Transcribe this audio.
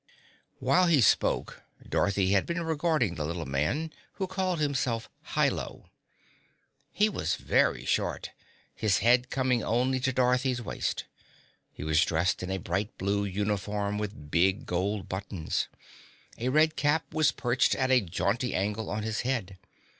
While he spoke, Dorothy had been regarding the little man who called himself Hi Lo. He was very short, his head coming only to Dorothy's waist. He was dressed in a bright blue uniform with big, gold buttons. A red cap was perched at a jaunty angle on his head.